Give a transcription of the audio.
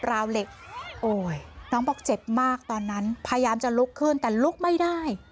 ราวเหล็กโอ้ยน้องบอกเจ็บมากตอนนั้นพยายามจะลุกขึ้นแต่ลุกไม่ได้